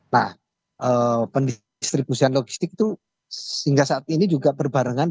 nah pendistribusian logistik itu sehingga saat ini juga berbarengan